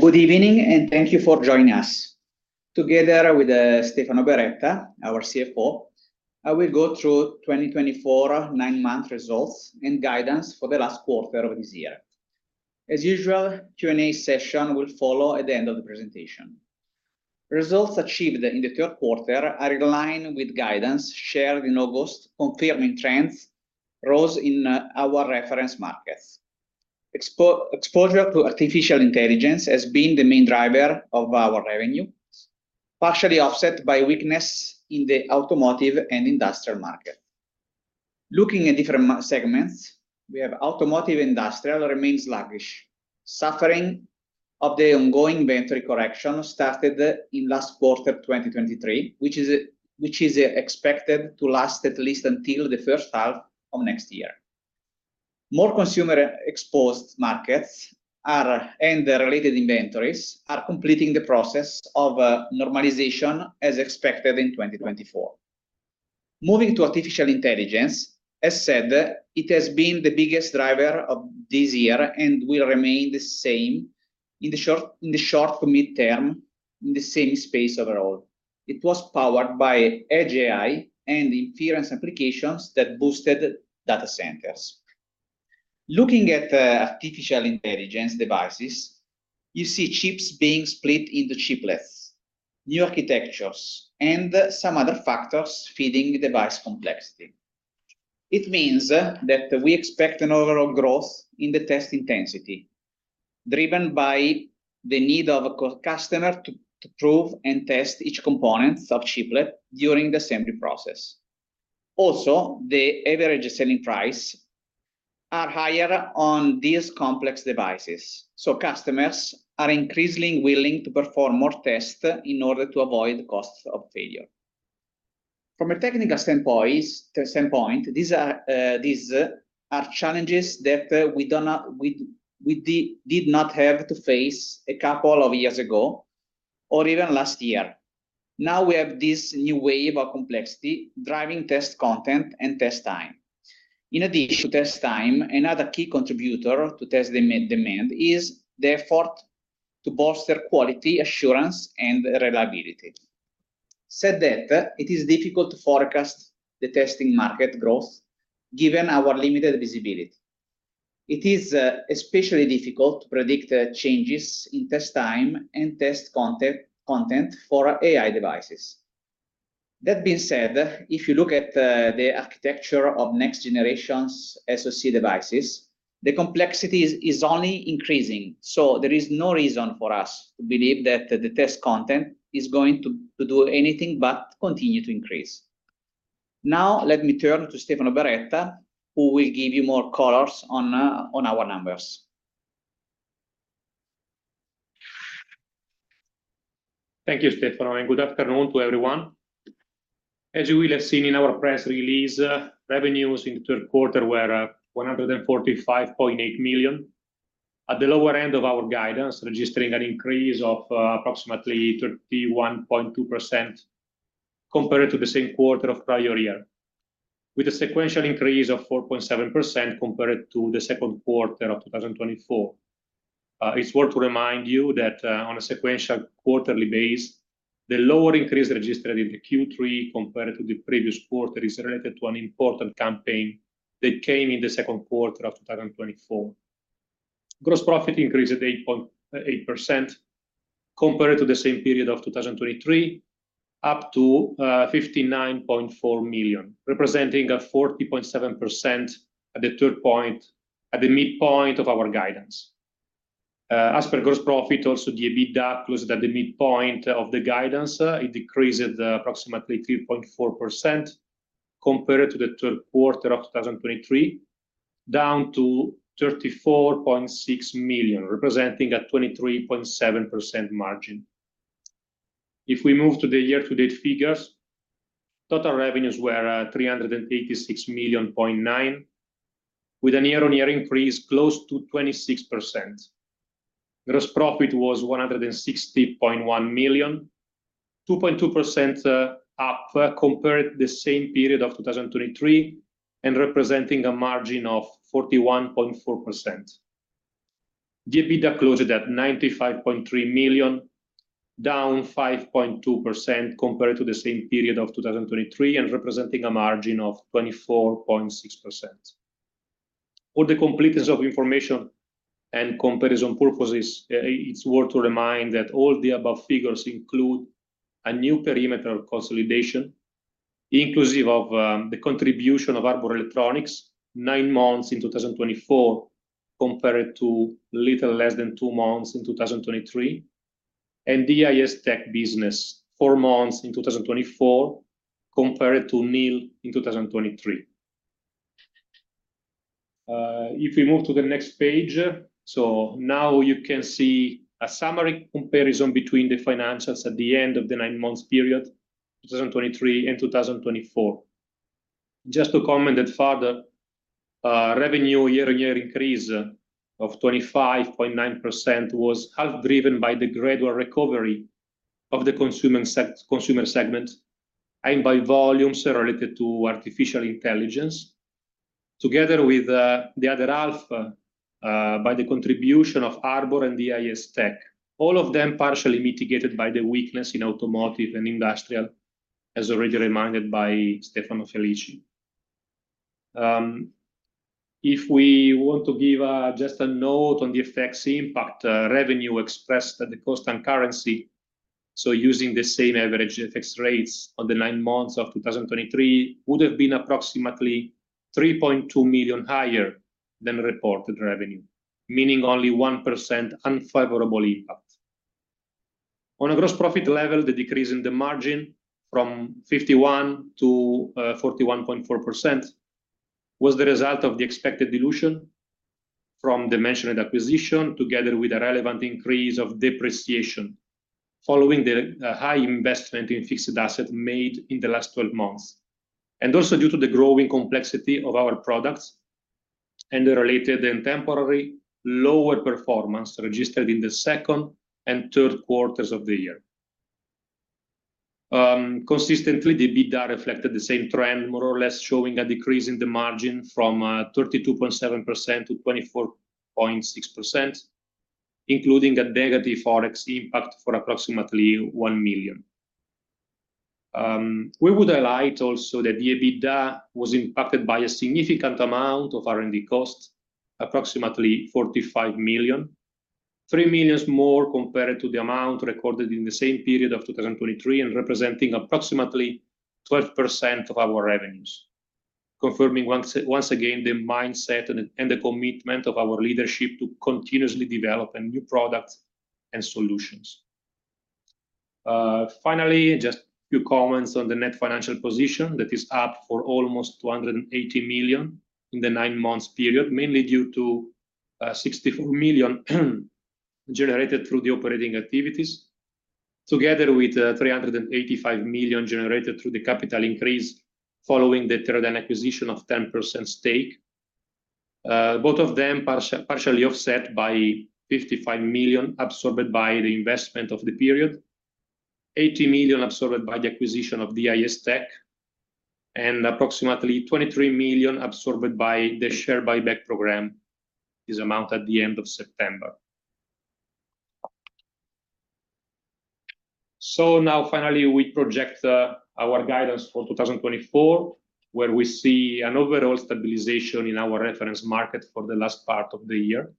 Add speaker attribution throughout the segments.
Speaker 1: Good evening, and thank you for joining us. Together with Stefano Beretta, our CFO, we'll go through 2024 nine-month results and guidance for the last quarter of this year. As usual, the Q&A session will follow at the end of the presentation. Results achieved in the third quarter are in line with guidance shared in August, confirming trends rose in our reference markets. Exposure to artificial intelligence has been the main driver of our revenue, partially offset by weakness in the automotive and industrial market. Looking at different segments, we have automotive and industrial remains sluggish, suffering of the ongoing inventory correction started in last quarter 2023, which is expected to last at least until the first half of next year. More consumer-exposed markets and related inventories are completing the process of normalization, as expected in 2024. Moving to artificial intelligence, as said, it has been the biggest driver of this year and will remain the same in the short to mid-term in the same space overall. It was powered by edge AI and inference applications that boosted data centers. Looking at artificial intelligence devices, you see chips being split into chiplets, new architectures, and some other factors feeding the device complexity. It means that we expect an overall growth in the test intensity, driven by the need of a customer to prove and test each component of chiplet during the assembly process. Also, the average selling prices are higher on these complex devices, so customers are increasingly willing to perform more tests in order to avoid the cost of failure. From a technical standpoint, these are challenges that we did not have to face a couple of years ago or even last year. Now we have this new wave of complexity driving test content and test time. In addition to test time, another key contributor to test demand is the effort to bolster quality, assurance, and reliability. That said, it is difficult to forecast the testing market growth given our limited visibility. It is especially difficult to predict changes in test time and test content for AI devices. That being said, if you look at the architecture of next-generation SoC devices, the complexity is only increasing, so there is no reason for us to believe that the test content is going to do anything but continue to increase. Now, let me turn to Stefano Beretta, who will give you more colors on our numbers.
Speaker 2: Thank you, Stefano, and good afternoon to everyone. As you will have seen in our press release, revenues in the third quarter were 145.8 million, at the lower end of our guidance, registering an increase of approximately 31.2% compared to the same quarter of prior year, with a sequential increase of 4.7% compared to the second quarter of 2024. It's worth to remind you that on a sequential quarterly base, the lower increase registered in the Q3 compared to the previous quarter is related to an important campaign that came in the second quarter of 2024. Gross profit increased at 8.8% compared to the same period of 2023, up to 59.4 million, representing a 40.7% at the midpoint of our guidance. As per gross profit, also the EBITDA closed at the midpoint of the guidance. It decreased approximately 3.4% compared to the third quarter of 2023, down to 34.6 million, representing a 23.7% margin. If we move to the year-to-date figures, total revenues were 386.9 million, with a year-on-year increase close to 26%. Gross profit was 160.1 million, 2.2% up compared to the same period of 2023, and representing a margin of 41.4%. The EBITDA closed at 95.3 million, down 5.2% compared to the same period of 2023, and representing a margin of 24.6%. For the completeness of information and comparison purposes, it's worth to remind that all the above figures include a new perimeter consolidation, inclusive of the contribution of Harbor Electronics, nine months in 2024 compared to little less than two months in 2023, and DIS Tech Business, four months in 2024 compared to nil in 2023. If we move to the next page, so now you can see a summary comparison between the financials at the end of the nine-month period, 2023 and 2024. Just to comment that further, revenue year-on-year increase of 25.9% was half-driven by the gradual recovery of the consumer segment and by volumes related to artificial intelligence, together with the other half by the contribution of Harbor and DIS, all of them partially mitigated by the weakness in automotive and industrial, as already reminded by Stefano Felici. If we want to give just a note on the FX impact, revenue expressed at constant currency, so using the same average FX rates on the nine months of 2023, would have been approximately 3.2 million higher than reported revenue, meaning only 1% unfavorable impact. On a gross profit level, the decrease in the margin from 51% to 41.4% was the result of the expected dilution from the mentioned acquisition, together with a relevant increase of depreciation following the high investment in fixed asset made in the last 12 months, and also due to the growing complexity of our products and the related and temporary lower performance registered in the second and third quarters of the year. Consistently, the EBITDA reflected the same trend, more or less showing a decrease in the margin from 32.7% to 24.6%, including a negative FX impact for approximately 1 million. We would highlight also that the EBITDA was impacted by a significant amount of R&D cost, approximately 45 million, 3 million more compared to the amount recorded in the same period of 2023, and representing approximately 12% of our revenues, confirming once again the mindset and the commitment of our leadership to continuously develop new products and solutions. Finally, just a few comments on the net financial position that is up to almost 280 million in the nine-month period, mainly due to 64 million generated through the operating activities, together with 385 million generated through the capital increase following the Teradyne acquisition of 10% stake, both of them partially offset by 55 million absorbed by the investment of the period, 80 million absorbed by the acquisition of DIS, and approximately 23 million absorbed by the share buyback program, this amount at the end of September. So now, finally, we project our guidance for 2024, where we see an overall stabilization in our reference market for the last part of the year,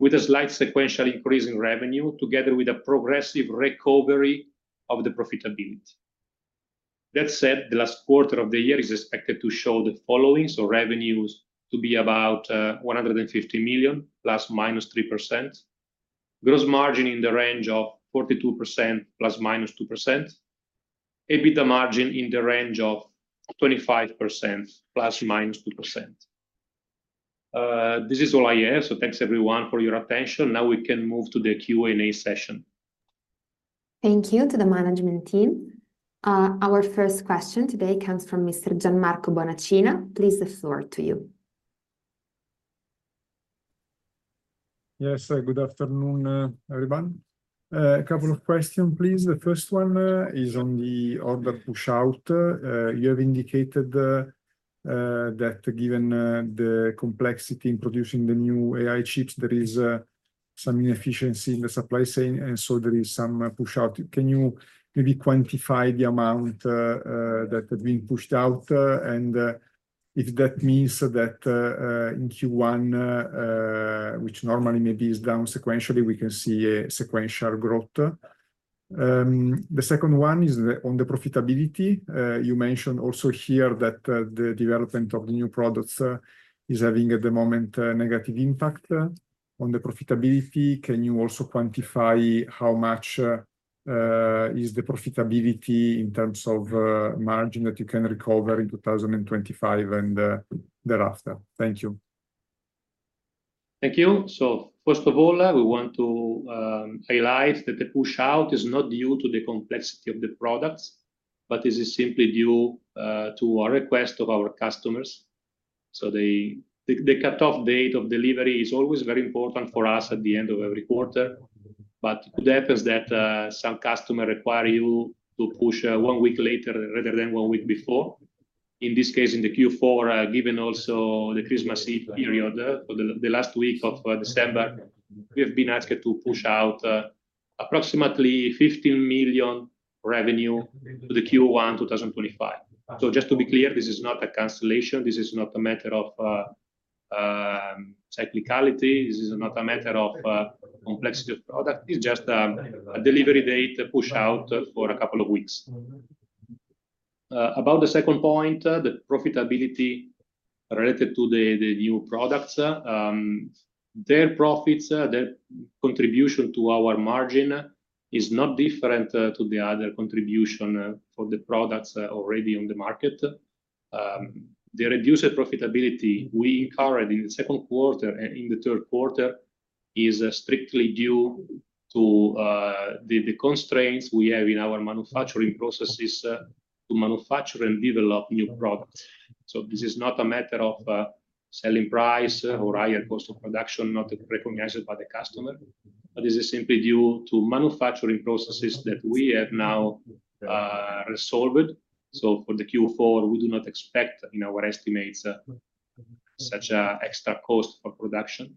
Speaker 2: with a slight sequential increase in revenue, together with a progressive recovery of the profitability. That said, the last quarter of the year is expected to show the following, so revenues to be about 150 million ±3%, gross margin in the range of 42% ±2%, EBITDA margin in the range of 25% ±2%. This is all I have, so thanks everyone for your attention. Now we can move to the Q&A session.
Speaker 3: Thank you to the management team. Our first question today comes from Mr. Gianmarco Bonaccina. Please, the floor to you.
Speaker 4: Yes, good afternoon, everyone. A couple of questions, please. The first one is on the order push-out. You have indicated that given the complexity in producing the new AI chips, there is some inefficiency in the supply chain, and so there is some push-out. Can you maybe quantify the amount that had been pushed out, and if that means that in Q1, which normally maybe is down sequentially, we can see a sequential growth? The second one is on the profitability. You mentioned also here that the development of the new products is having at the moment a negative impact on the profitability. Can you also quantify how much is the profitability in terms of margin that you can recover in 2025 and thereafter? Thank you.
Speaker 1: Thank you, so first of all, we want to highlight that the push-out is not due to the complexity of the products, but it is simply due to our request of our customers. So the cutoff date of delivery is always very important for us at the end of every quarter, but it happens that some customers require you to push one week later rather than one week before. In this case, in the Q4, given also the Christmas Eve period, the last week of December, we have been asked to push out approximately 15 million revenue to the Q1 2025. So just to be clear, this is not a cancellation. This is not a matter of cyclicality. This is not a matter of complexity of product. It's just a delivery date push-out for a couple of weeks. About the second point, the profitability related to the new products, their profits, their contribution to our margin is not different from the other contribution for the products already on the market. The reduced profitability we incurred in the second quarter and in the third quarter is strictly due to the constraints we have in our manufacturing processes to manufacture and develop new products. So this is not a matter of selling price or higher cost of production, not recognized by the customer, but this is simply due to manufacturing processes that we have now resolved. So for the Q4, we do not expect in our estimates such extra cost for production,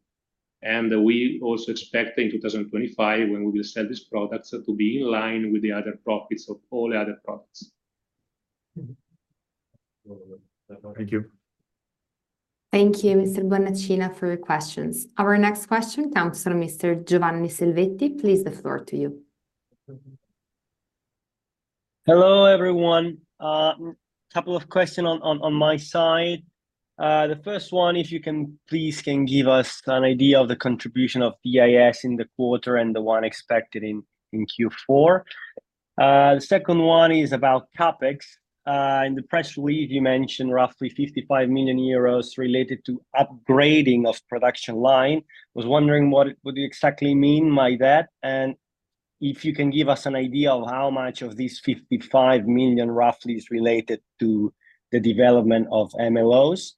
Speaker 1: and we also expect in 2025 when we will sell these products to be in line with the other profits of all the other products.
Speaker 2: Thank you.
Speaker 3: Thank you, Mr. Bonaccina, for your questions. Our next question comes from Mr. Giovanni Selvetti. Please give the floor to you.
Speaker 5: Hello, everyone. A couple of questions on my side. The first one, if you can please give us an idea of the contribution of DIS in the quarter and the one expected in Q4. The second one is about CapEx. In the press release, you mentioned roughly 55 million euros related to upgrading of production line. I was wondering what you exactly mean by that, and if you can give us an idea of how much of these 55 million roughly is related to the development of MLOs.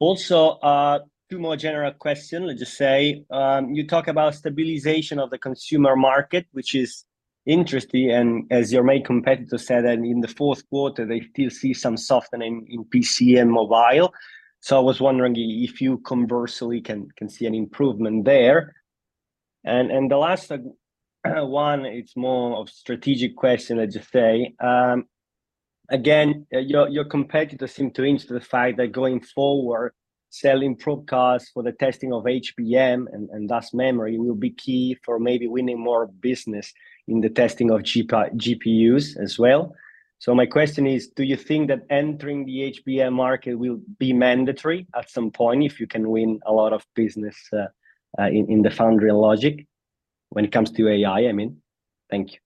Speaker 5: Also, two more general questions. Let's just say you talk about stabilization of the consumer market, which is interesting, and as your main competitor said, in the fourth quarter, they still see some softening in PC and mobile. So I was wondering if you conversely can see an improvement there. The last one, it's more of a strategic question, let's just say. Again, your competitors seem to hinge on the fact that going forward, selling protocols for the testing of HBM and thus memory will be key for maybe winning more business in the testing of GPUs as well. So my question is, do you think that entering the HBM market will be mandatory at some point if you can win a lot of business in the foundry logic when it comes to AI, I mean? Thank you.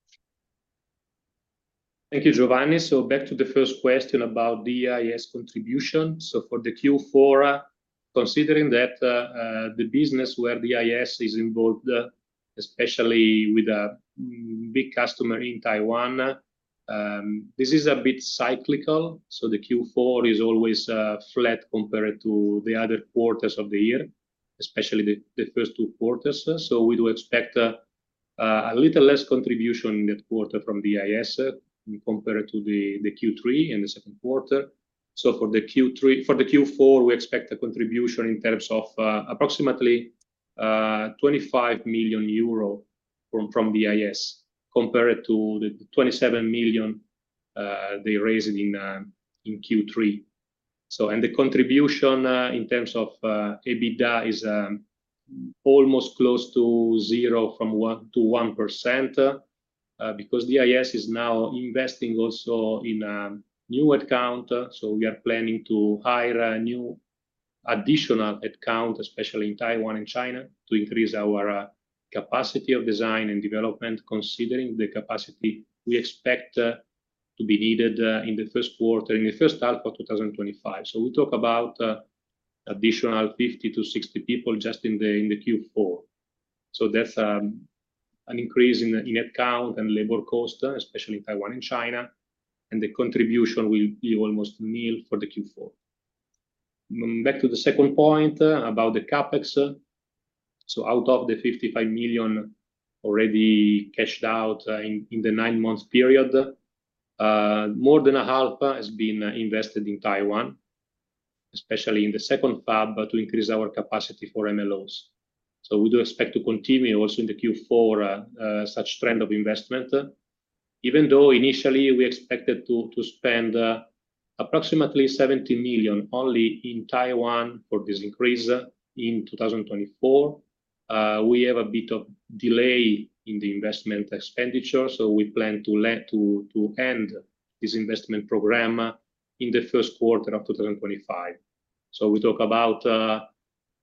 Speaker 1: Thank you, Giovanni. So back to the first question about DIS contribution. So for the Q4, considering that the business where DIS is involved, especially with a big customer in Taiwan, this is a bit cyclical. So the Q4 is always flat compared to the other quarters of the year, especially the first two quarters. So we do expect a little less contribution in that quarter from DIS compared to the Q3 and the second quarter. So for the Q4, we expect a contribution in terms of approximately 25 million euro from DIS compared to the 27 million they raised in Q3. And the contribution in terms of EBITDA is almost close to 0%-1% because DIS is now investing also in new headcount. We are planning to hire new additional headcount, especially in Taiwan and China, to increase our capacity of design and development, considering the capacity we expect to be needed in the first quarter, in the first half of 2025. We talk about additional 50-60 people just in the Q4. That's an increase in headcount and labor cost, especially in Taiwan and China, and the contribution will be almost nil for the Q4. Back to the second point about the CapEx. Out of the 55 million already cashed out in the nine-month period, more than half has been invested in Taiwan, especially in the second fab to increase our capacity for MLOs. We do expect to continue also in the Q4 such trend of investment, even though initially we expected to spend approximately 70 million only in Taiwan for this increase in 2024. We have a bit of delay in the investment expenditure, so we plan to end this investment program in the first quarter of 2025. So we talk about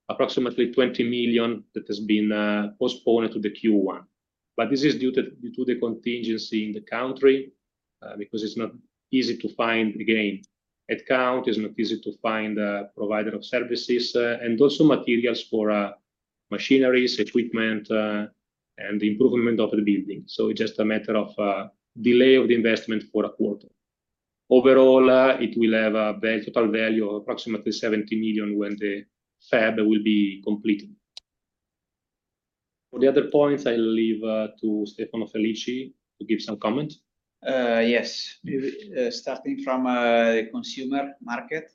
Speaker 1: approximately 20 million that has been postponed to the Q1. But this is due to the contingency in the country because it's not easy to find, again, headcount, it's not easy to find a provider of services, and also materials for machinery, equipment, and improvement of the building. So it's just a matter of delay of the investment for a quarter. Overall, it will have a total value of approximately 70 million when the fab will be completed. For the other points, I'll leave to Stefano Felici to give some comment. Yes. Starting from the consumer market,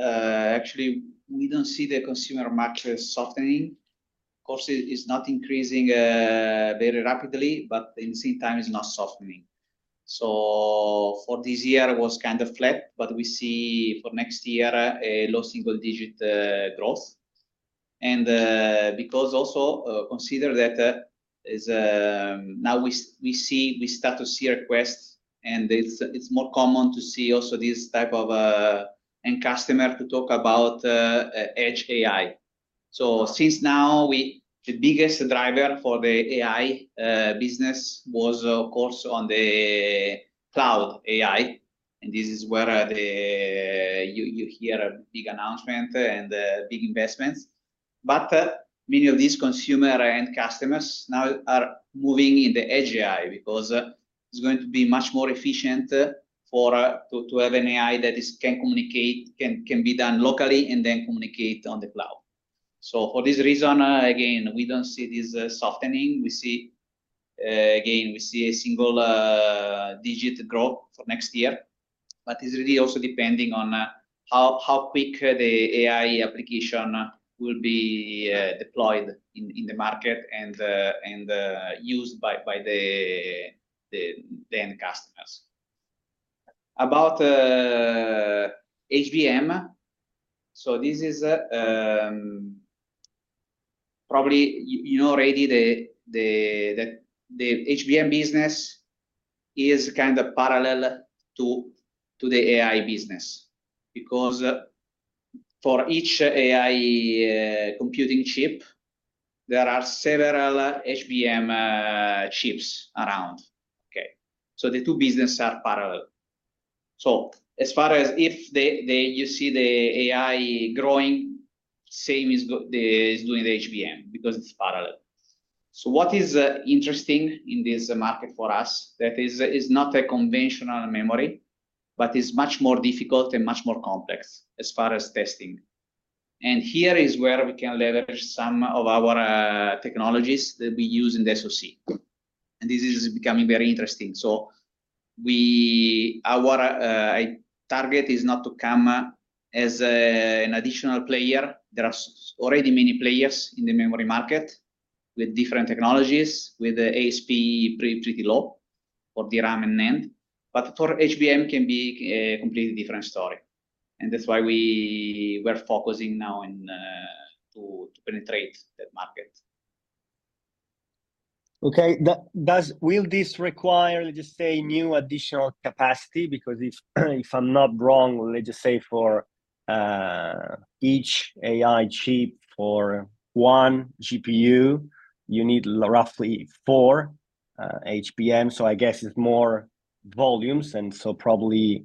Speaker 1: actually, we don't see the consumer market softening. Of course, it's not increasing very rapidly, but at the same time, it's not softening. So for this year, it was kind of flat, but we see for next year a low single-digit growth. And because also consider that now we start to see requests, and it's more common to see also this type of end customer to talk about edge AI. So since now, the biggest driver for the AI business was, of course, on the cloud AI, and this is where you hear a big announcement and big investments. But many of these consumers and customers now are moving in the edge AI because it's going to be much more efficient to have an AI that can communicate, can be done locally, and then communicate on the cloud. So for this reason, again, we don't see this softening. Again, we see a single-digit growth for next year, but it's really also depending on how quick the AI application will be deployed in the market and used by the end customers. About HBM, so this is probably you know already that the HBM business is kind of parallel to the AI business because for each AI computing chip, there are several HBM chips around. Okay? So the two businesses are parallel. So as far as if you see the AI growing, same is doing the HBM because it's parallel. So what is interesting in this market for us that is not a conventional memory, but is much more difficult and much more complex as far as testing. And here is where we can leverage some of our technologies that we use in SoC. And this is becoming very interesting. So our target is not to come as an additional player. There are already many players in the memory market with different technologies, with ASP pretty low for the RAM and NAND. But for HBM, it can be a completely different story. And that's why we were focusing now to penetrate that market. Okay. Will this require, let's just say, new additional capacity? Because if I'm not wrong, let's just say for each AI chip for one GPU, you need roughly four HBMs. So I guess it's more volumes and so probably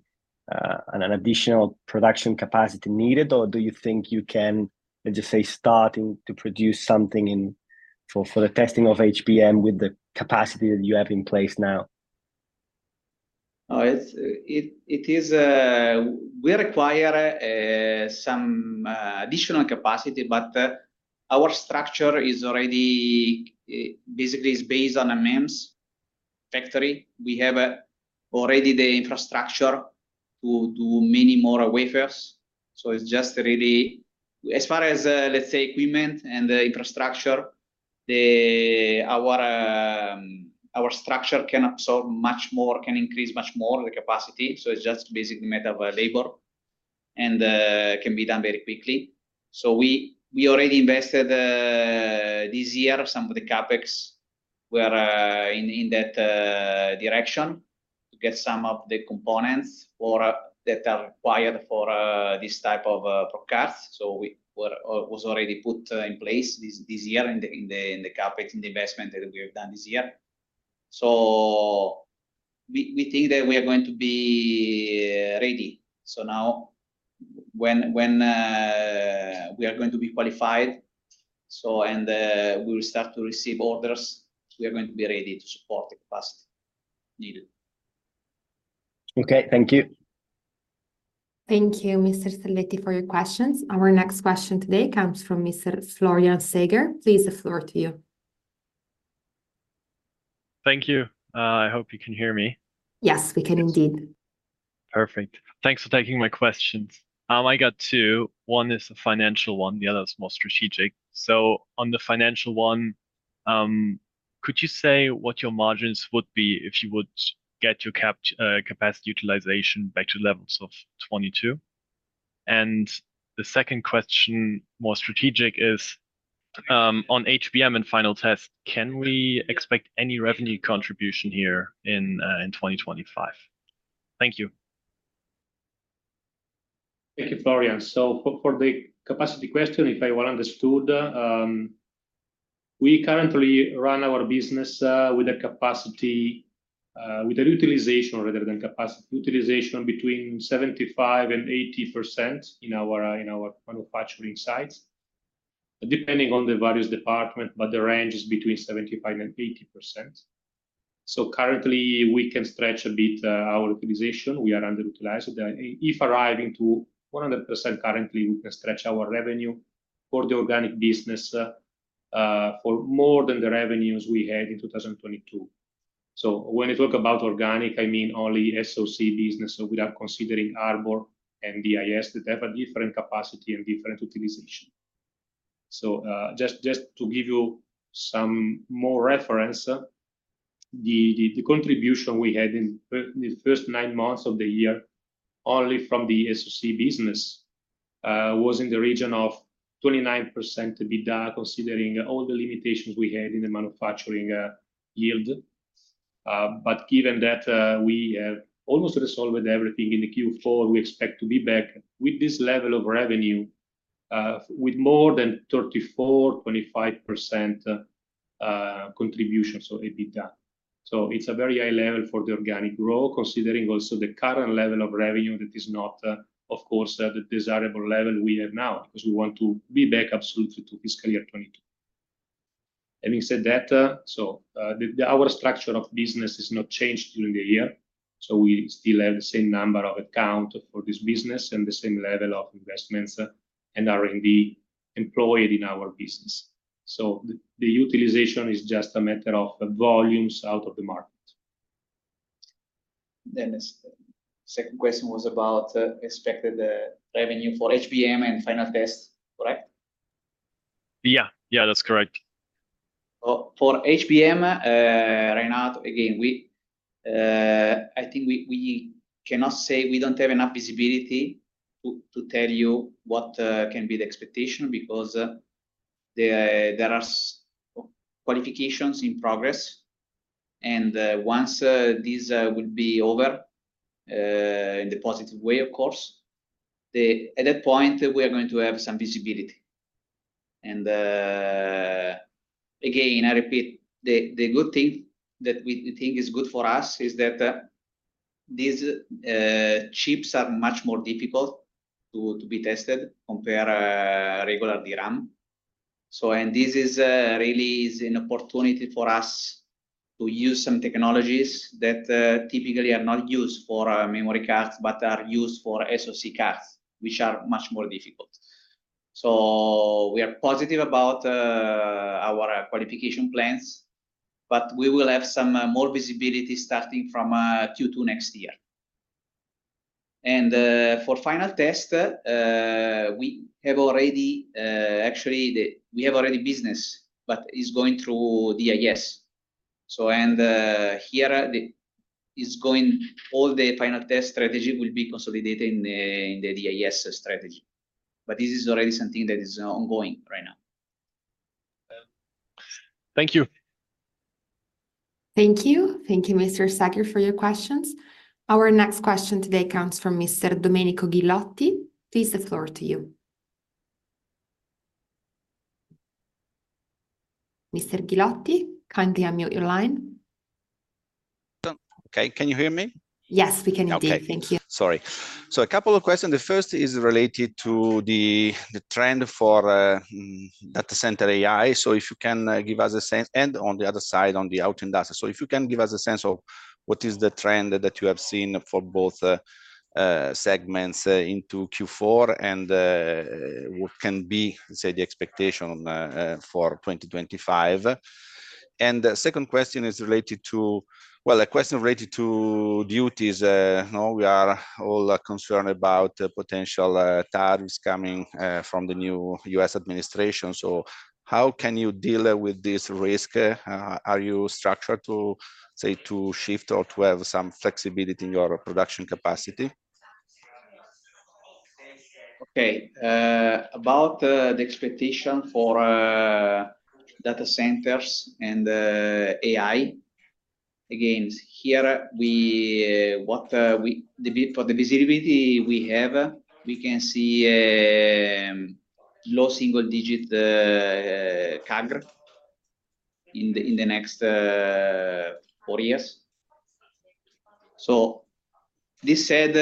Speaker 1: an additional production capacity needed. Or do you think you can, let's just say, start to produce something for the testing of HBM with the capacity that you have in place now?
Speaker 5: We require some additional capacity, but our structure is already basically based on a MEMS factory. We have already the infrastructure to do many more wafers. So it's just really, as far as, let's say, equipment and the infrastructure, our structure can absorb much more, can increase much more the capacity. So it's just basically a matter of labor and can be done very quickly. So we already invested this year some of the CapEx were in that direction to get some of the components that are required for this type of protocols. So it was already put in place this year in the CapEx, in the investment that we have done this year. So we think that we are going to be ready. So now when we are going to be qualified and we will start to receive orders, we are going to be ready to support the capacity needed.
Speaker 1: Okay. Thank you.
Speaker 3: Thank you, Mr. Selvetti, for your questions. Our next question today comes from Mr. Florian Treger. Please, the floor to you.
Speaker 6: Thank you. I hope you can hear me.
Speaker 3: Yes, we can indeed.
Speaker 6: Perfect. Thanks for taking my questions. I got two. One is a financial one. The other is more strategic. So on the financial one, could you say what your margins would be if you would get your capacity utilization back to levels of 22? And the second question, more strategic, is on HBM and final test, can we expect any revenue contribution here in 2025? Thank you.
Speaker 1: Thank you, Florian. So for the capacity question, if I well understood, we currently run our business with a capacity utilization between 75%-80% in our manufacturing sites, depending on the various departments, but the range is between 75%-80%. So currently, we can stretch a bit our utilization. We are underutilized. If arriving to 100%, currently, we can stretch our revenue for the organic business for more than the revenues we had in 2022. So when I talk about organic, I mean only SoC business. So without considering Harbor and DIS, that have a different capacity and different utilization. So just to give you some more reference, the contribution we had in the first nine months of the year only from the SoC business was in the region of 29% EBITDA, considering all the limitations we had in the manufacturing yield. But given that we have almost resolved everything in the Q4, we expect to be back with this level of revenue with more than 34.25% contribution, so EBITDA. So it's a very high level for the organic growth, considering also the current level of revenue that is not, of course, the desirable level we have now because we want to be back absolutely to fiscal year 2022. Having said that, so our structure of business has not changed during the year. So we still have the same number of headcount for this business and the same level of investments and R&D employed in our business. So the utilization is just a matter of volumes out of the market.
Speaker 6: Then the second question was about expected revenue for HBM and final test, correct? Yeah. Yeah, that's correct.
Speaker 1: For HBM, right now, again, I think we cannot say we don't have enough visibility to tell you what can be the expectation because there are qualifications in progress. And once this will be over in the positive way, of course, at that point, we are going to have some visibility. And again, I repeat, the good thing that we think is good for us is that these chips are much more difficult to be tested compared to regular DRAM. And this really is an opportunity for us to use some technologies that typically are not used for memory cards, but are used for SoC cards, which are much more difficult. So we are positive about our qualification plans, but we will have some more visibility starting from Q2 next year. And for final test, we have already, actually, business, but it's going through DIS. Here, all the final test strategy will be consolidated in the DIS strategy. This is already something that is ongoing right now.
Speaker 6: Thank you.
Speaker 3: Thank you. Thank you, Mr. Seger, for your questions. Our next question today comes from Mr. Domenico Ghilotti. Please the floor to you. Mr. Ghilotti, kindly unmute your line.
Speaker 7: Okay. Can you hear me?
Speaker 3: Yes, we can indeed. Thank you.
Speaker 7: Okay. Sorry. So a couple of questions. The first is related to the trend for data center AI. So if you can give us a sense and on the other side, on the out and out. So if you can give us a sense of what is the trend that you have seen for both segments into Q4 and what can be, say, the expectation for 2025. And the second question is related to, well, a question related to duties. We are all concerned about potential tariffs coming from the new U.S. administration. So how can you deal with this risk? Are you structured to, say, to shift or to have some flexibility in your production capacity?
Speaker 1: Okay. About the expectation for data centers and AI, again, here, for the visibility we have, we can see low single-digit CAGR in the next four years. So this said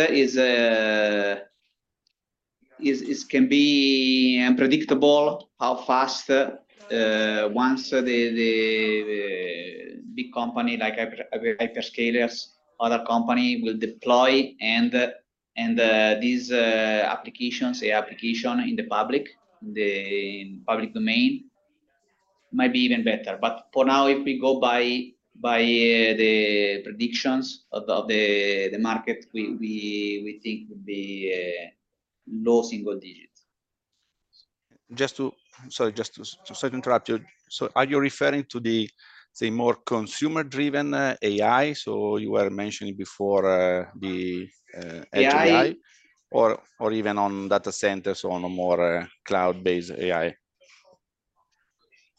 Speaker 1: can be unpredictable how fast once the big company like hyperscalers, other company will deploy, and these applications, the application in the public, in the public domain might be even better. But for now, if we go by the predictions of the market, we think it would be low single digits.
Speaker 7: Sorry, just to interrupt you. So are you referring to the, say, more consumer-driven AI? So you were mentioning before the edge AI or even on data centers or more cloud-based AI?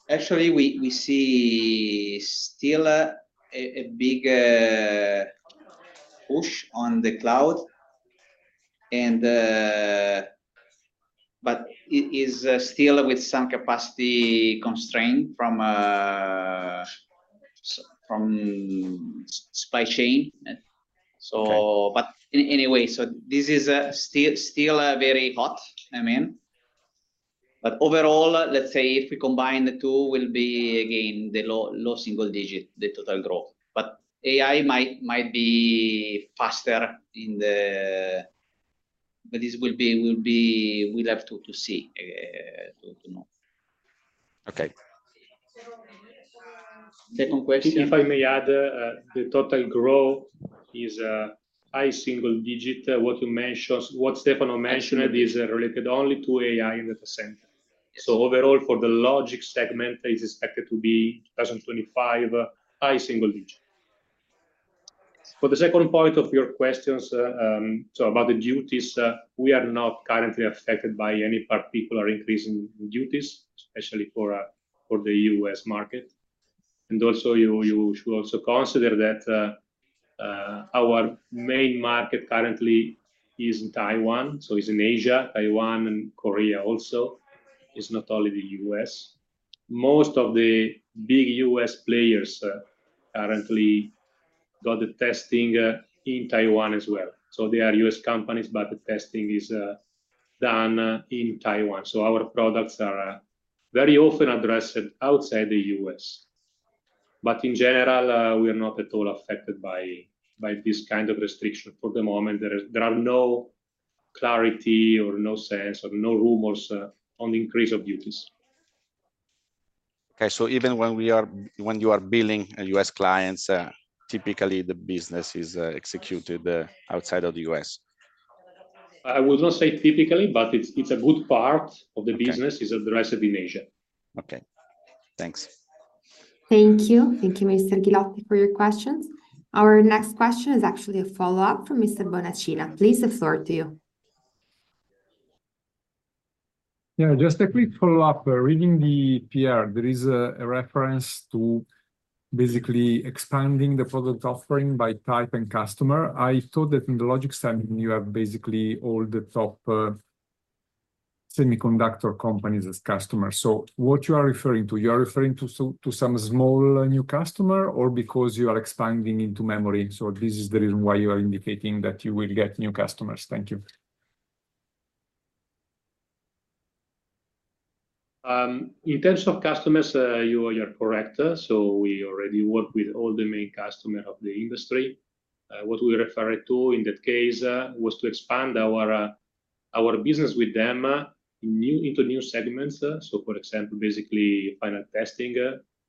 Speaker 1: Actually, we see still a big push on the cloud, but it is still with some capacity constraint from supply chain. But anyway, so this is still very hot, I mean. But overall, let's say if we combine the two, will be again the low single digit, the total growth. But AI might be faster, but this will be, we'll have to see to know.
Speaker 7: Okay. Second question.
Speaker 2: If I may add, the total growth is high single digit. What Stefano mentioned is related only to AI in data center, so overall, for the logic segment, it is expected to be 2025, high single digit. For the second point of your questions about the duties, we are not currently affected by any particular increase in duties, especially for the U.S. market, and also, you should also consider that our main market currently is in Taiwan, so it's in Asia, Taiwan, and Korea also. It's not only the U.S.. Most of the big U.S. players currently got the testing in Taiwan as well, so they are U.S. companies, but the testing is done in Taiwan, so our products are very often addressed outside the U.S., but in general, we are not at all affected by this kind of restriction for the moment. There is no clarity, no sense, or no rumors on the increase of duties.
Speaker 7: Okay. So even when you are billing U.S. clients, typically the business is executed outside of the U.S.?
Speaker 2: I would not say typically, but it's a good part of the business is addressed in Asia.
Speaker 7: Okay. Thanks.
Speaker 3: Thank you. Thank you, Mr. Ghilotti, for your questions. Our next question is actually a follow-up from Mr. Bonaccina. Please, the floor to you.
Speaker 4: Yeah. Just a quick follow-up. Reading the PR, there is a reference to basically expanding the product offering by type and customer. I thought that in the logic segment, you have basically all the top semiconductor companies as customers. So what you are referring to, you are referring to some small new customer or because you are expanding into memory? So this is the reason why you are indicating that you will get new customers. Thank you.
Speaker 1: In terms of customers, you are correct. So we already work with all the main customers of the industry. What we referred to in that case was to expand our business with them into new segments. So for example, basically final testing.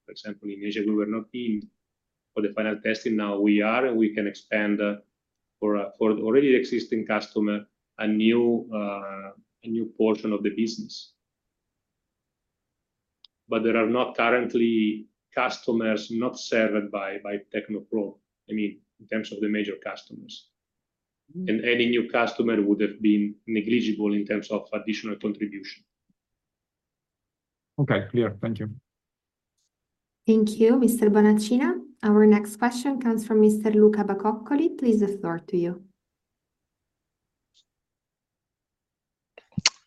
Speaker 1: For example, in Asia, we were not in for the final testing. Now we are, and we can expand for already existing customer a new portion of the business. But there are not currently customers not served by Technoprobe. I mean, in terms of the major customers. And any new customer would have been negligible in terms of additional contribution.
Speaker 4: Okay. Clear. Thank you.
Speaker 3: Thank you, Mr. Bonaccina. Our next question comes from Mr. Luca Bacoccoli. Please, the floor to you.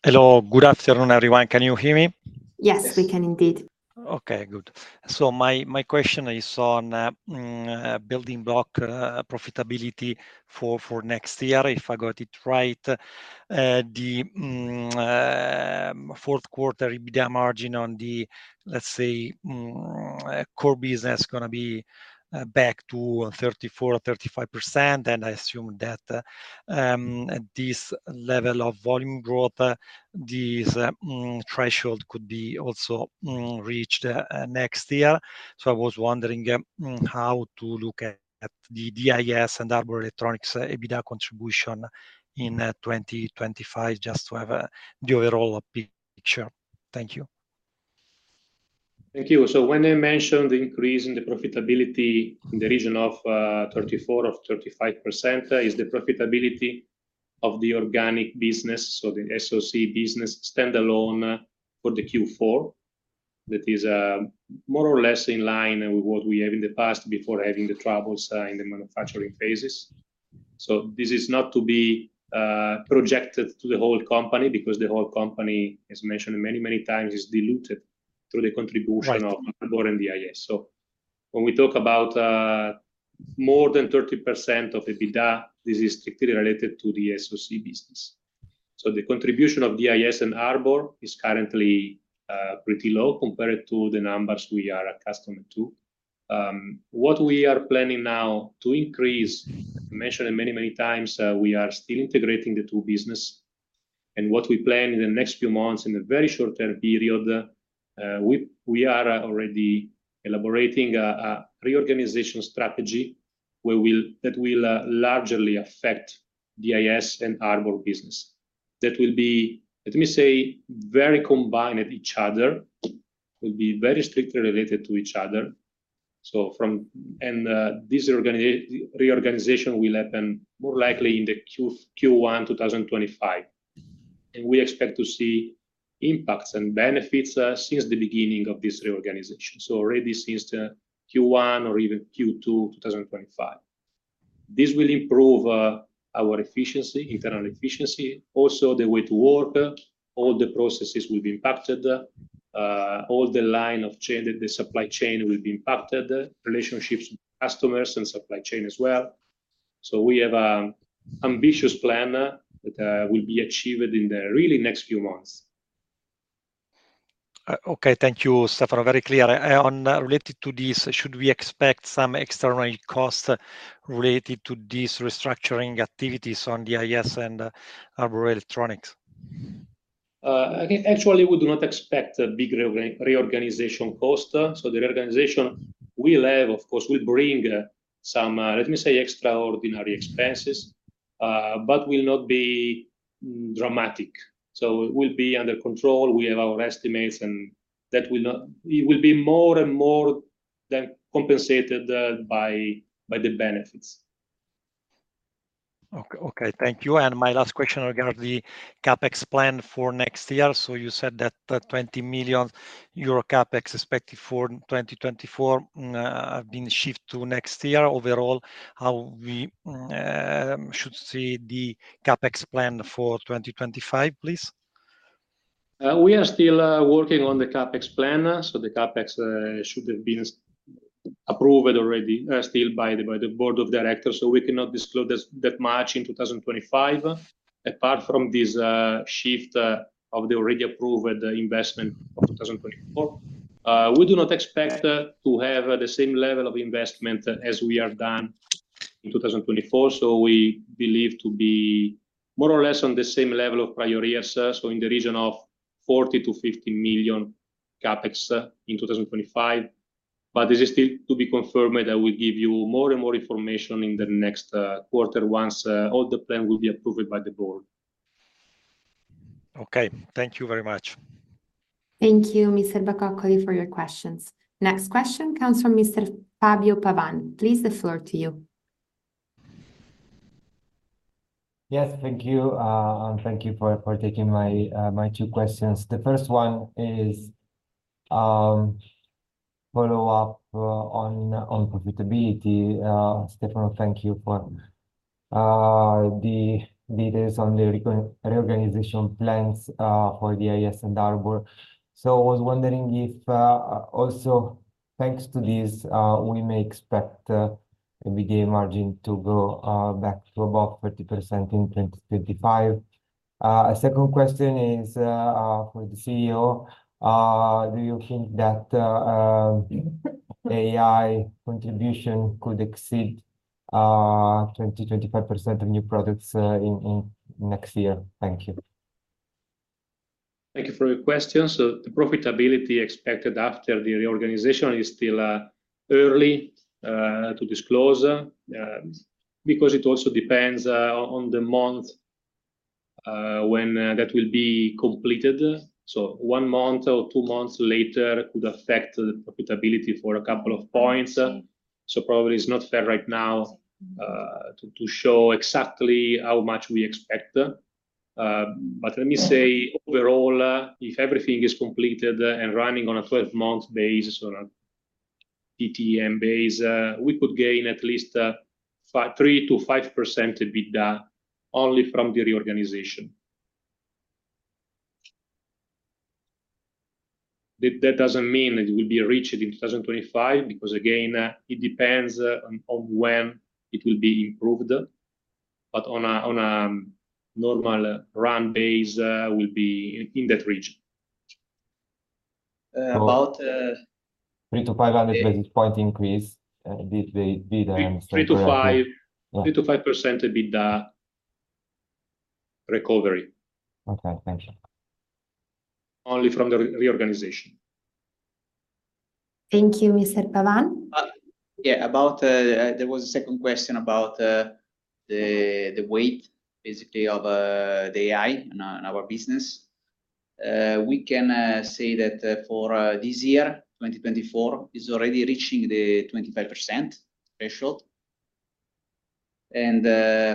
Speaker 8: Hello. Good afternoon, everyone. Can you hear me?
Speaker 3: Yes, we can indeed.
Speaker 8: Okay. Good. So my question is on building block profitability for next year, if I got it right. The fourth quarter EBITDA margin on the, let's say, core business is going to be back to 34%-35%. And I assume that this level of volume growth, this threshold could be also reached next year. So I was wondering how to look at the DIS and Harbor Electronics EBITDA contribution in 2025 just to have the overall picture. Thank you.
Speaker 1: Thank you. So when I mentioned the increase in the profitability in the region of 34% or 35%, is the profitability of the organic business, so the SoC business standalone for the Q4, that is more or less in line with what we have in the past before having the troubles in the manufacturing phases. So this is not to be projected to the whole company because the whole company, as mentioned many, many times, is diluted through the contribution of Harbor and DIS. So when we talk about more than 30% of EBITDA, this is strictly related to the SoC business. So the contribution of DIS and Harbor is currently pretty low compared to the numbers we are accustomed to. What we are planning now to increase, I mentioned many, many times, we are still integrating the two businesses. What we plan in the next few months in the very short-term period, we are already elaborating a reorganization strategy that will largely affect DIS and Harbor business. That will be, let me say, very combined with each other. It will be very strictly related to each other. And this reorganization will happen more likely in the Q1 2025. And we expect to see impacts and benefits since the beginning of this reorganization. So already since Q1 or even Q2 2025. This will improve our efficiency, internal efficiency. Also, the way to work, all the processes will be impacted. All the line of change, the supply chain will be impacted, relationships with customers and supply chain as well. So we have an ambitious plan that will be achieved in the really next few months.
Speaker 8: Okay. Thank you, Stefano. Very clear. And related to this, should we expect some external costs related to these restructuring activities on DIS and Harbor Electronics?
Speaker 1: Actually, we do not expect a big reorganization cost. So the reorganization will have, of course, will bring some, let me say, extraordinary expenses, but will not be dramatic. So it will be under control. We have our estimates, and it will be more and more than compensated by the benefits.
Speaker 8: Okay. Thank you. And my last question regarding the CapEx plan for next year. So you said that 20 million euro CapEx expected for 2024 have been shifted to next year. Overall, how we should see the CapEx plan for 2025, please?
Speaker 1: We are still working on the CapEx plan. So the CapEx should have been approved already still by the board of directors. So we cannot disclose that much in 2025 apart from this shift of the already approved investment of 2024. We do not expect to have the same level of investment as we have done in 2024. So we believe to be more or less on the same level of prior years. So in the region of €40-€50 million CapEx in 2025. But this is still to be confirmed. I will give you more and more information in the next quarter once all the plan will be approved by the board.
Speaker 8: Okay. Thank you very much.
Speaker 3: Thank you, Mr. Bacoccoli, for your questions. Next question comes from Mr. Fabio Pavan. Please, the floor to you.
Speaker 9: Yes. Thank you. And thank you for taking my two questions. The first one is follow-up on profitability. Stefano, thank you for the details on the reorganization plans for DIS and Harbor. So I was wondering if also thanks to this, we may expect EBITDA margin to go back to above 30% in 2025? A second question is for the CEO. Do you think that AI contribution could exceed 20%-25% of new products next year? Thank you.
Speaker 1: Thank you for your question. So the profitability expected after the reorganization is still early to disclose because it also depends on the month when that will be completed. So one month or two months later could affect the profitability for a couple of points. So probably it's not fair right now to show exactly how much we expect. But let me say overall, if everything is completed and running on a 12-month basis, on a TTM base, we could gain at least 3%-5% EBITDA only from the reorganization. That doesn't mean that it will be reached in 2025 because, again, it depends on when it will be improved. But on a normal run base, it will be in that region.
Speaker 9: About. 3 to 500 basis points increase in EBITDA and.
Speaker 1: 3 to 5.
Speaker 9: Yeah.
Speaker 1: 3%-5% EBITDA recovery.
Speaker 9: Okay. Thank you.
Speaker 1: Only from the reorganization.
Speaker 3: Thank you, Mr. Pavan.
Speaker 9: Yeah. There was a second question about the weight, basically, of the AI in our business. We can say that for this year, 2024, it's already reaching the 25% threshold. And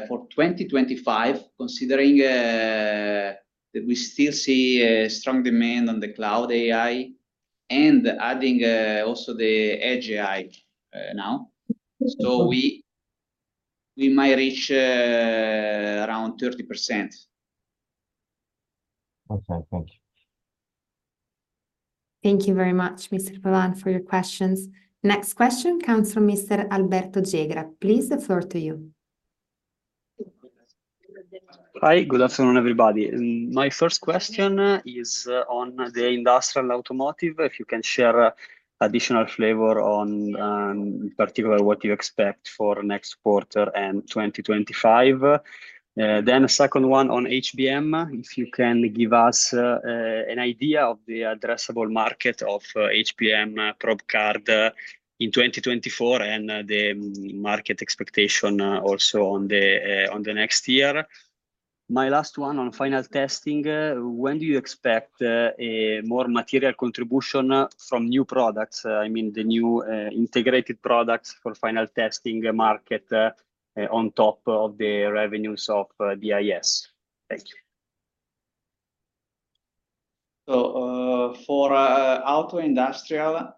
Speaker 9: for 2025, considering that we still see strong demand on the cloud AI and adding also the edge AI now, so we might reach around 30%.
Speaker 4: Okay. Thank you.
Speaker 3: Thank you very much, Mr. Pavan, for your questions. Next question comes from Mr. Alberto Berizzi. Please the floor to you.
Speaker 10: Hi. Good afternoon, everybody. My first question is on the industrial automotive, if you can share additional flavor on, in particular, what you expect for next quarter and 2025. Then a second one on HBM, if you can give us an idea of the addressable market of HBM probe card in 2024, and the market expectation also on the next year. My last one on final testing, when do you expect more material contribution from new products, I mean, the new integrated products for final testing market on top of the revenues of DIS? Thank you.
Speaker 1: So for auto industrial,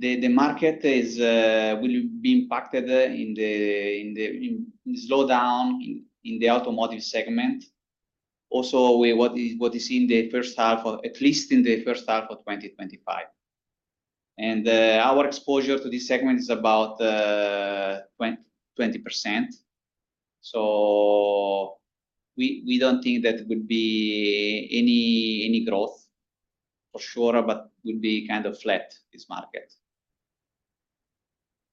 Speaker 1: the market will be impacted in the slowdown in the automotive segment. Also, what is in the first half, at least in the first half of 2025. And our exposure to this segment is about 20%. So we don't think that would be any growth for sure, but would be kind of flat, this market,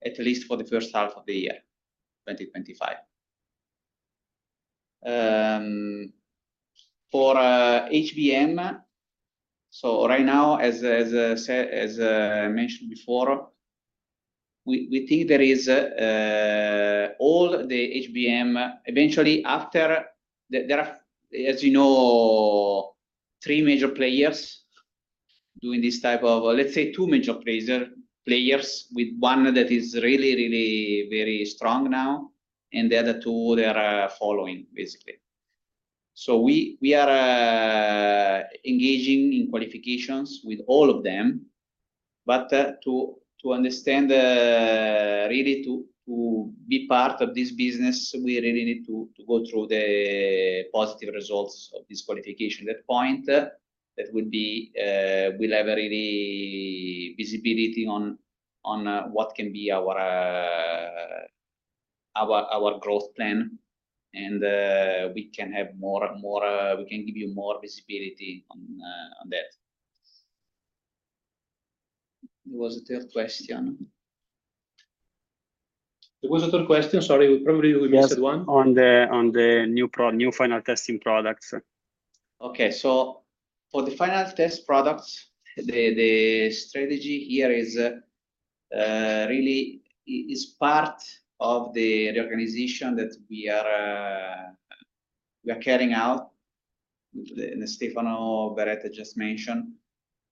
Speaker 1: at least for the first half of the year, 2025. For HBM, so right now, as I mentioned before, we think there is all the HBM eventually after there are, as you know, three major players doing this type of, let's say, two major players with one that is really, really very strong now, and the other two, they're following, basically. So we are engaging in qualifications with all of them. But to understand, really, to be part of this business, we really need to go through the positive results of this qualification. That point, that would be we'll have really visibility on what can be our growth plan, and we can have more we can give you more visibility on that. There was a third question. There was a third question. Sorry, probably we missed one.
Speaker 10: Yes, on the new final testing products.
Speaker 1: Okay. So for the final test products, the strategy here is really part of the reorganization that we are carrying out, Stefano Beretta just mentioned,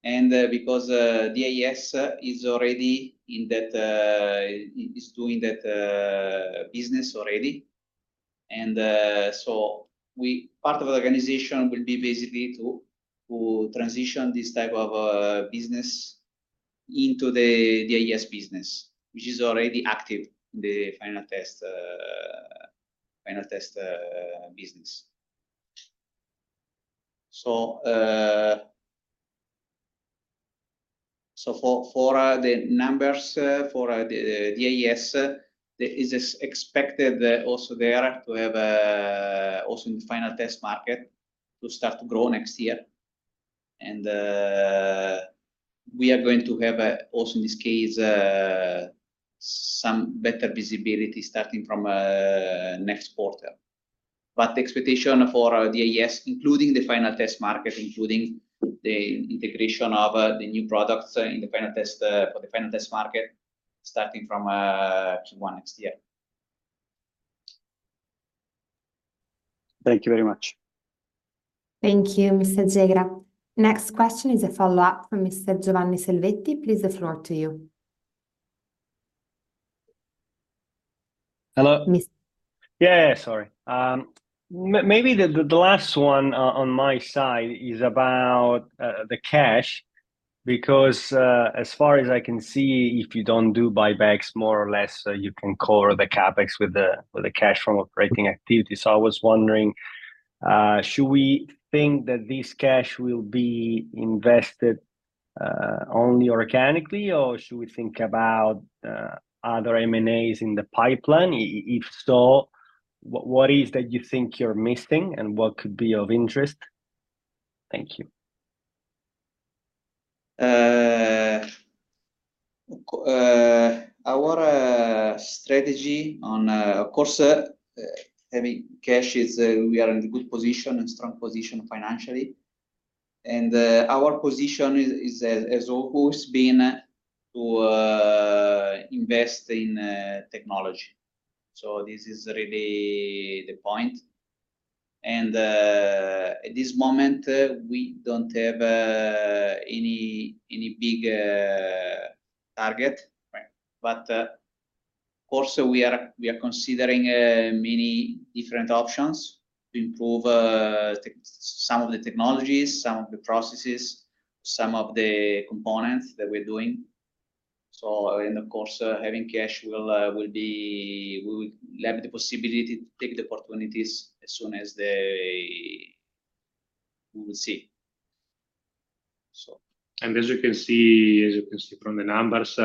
Speaker 1: and because DIS is already in that, is doing that business already, and so part of the organization will be basically to transition this type of business into the DIS business, which is already active in the final test business, so for the numbers for the DIS, it is expected also there to have also in the final test market to start to grow next year, and we are going to have also in this case some better visibility starting from next quarter, but the expectation for DIS, including the final test market, including the integration of the new products for the final test market, starting from Q1 next year.
Speaker 10: Thank you very much.
Speaker 3: Thank you, Mr. Jegra. Next question is a follow-up from Mr. Giovanni Selvetti. Please, the floor to you.
Speaker 11: Hello? Yeah. Sorry. Maybe the last one on my side is about the cash because as far as I can see, if you don't do buybacks, more or less, you can cover the CapEx with the cash from operating activity. So I was wondering, should we think that this cash will be invested only organically, or should we think about other M&As in the pipeline? If so, what is that you think you're missing and what could be of interest? Thank you.
Speaker 1: Our strategy on, of course, having cash is we are in a good position, a strong position financially. And our position has always been to invest in technology. So this is really the point. And at this moment, we don't have any big target. But of course, we are considering many different options to improve some of the technologies, some of the processes, some of the components that we're doing. So in the course, having cash will be we will have the possibility to take the opportunities as soon as we will see. So. As you can see from the numbers,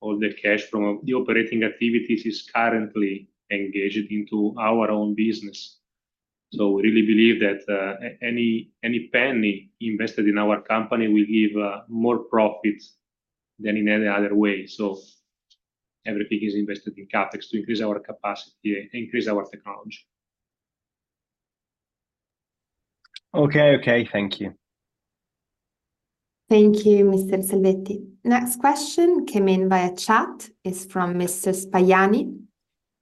Speaker 1: all the cash from the operating activities is currently engaged into our own business. So we really believe that any penny invested in our company will give more profit than in any other way. So everything is invested in CapEx to increase our capacity, increase our technology.
Speaker 11: Okay. Okay. Thank you.
Speaker 3: Thank you, Mr. Selvetti. Next question came in via chat. It's from Mr. Spagiani.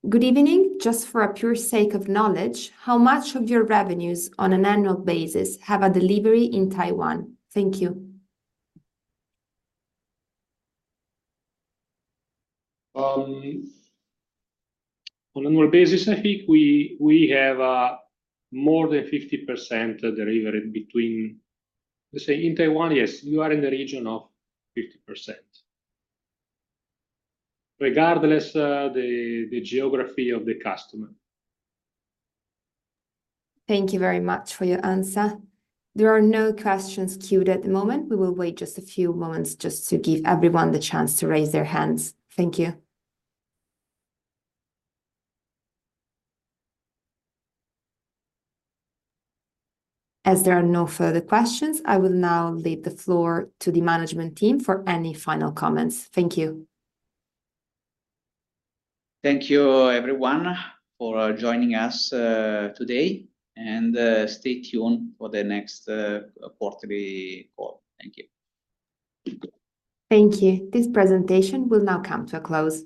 Speaker 3: Good evening. Just for a pure sake of knowledge, how much of your revenues on an annual basis have a delivery in Taiwan? Thank you.
Speaker 1: On annual basis, I think we have more than 50% delivery between, let's say, in Taiwan, yes, you are in the region of 50%, regardless of the geography of the customer.
Speaker 3: Thank you very much for your answer. There are no questions queued at the moment. We will wait just a few moments just to give everyone the chance to raise their hands. Thank you. As there are no further questions, I will now leave the floor to the management team for any final comments. Thank you.
Speaker 1: Thank you, everyone, for joining us today. And stay tuned for the next quarterly call. Thank you.
Speaker 3: Thank you. This presentation will now come to a close.